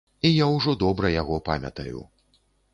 І я ўжо добра яго памятаю.